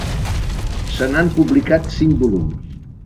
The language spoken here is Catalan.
Se n'han publicat cinc volums.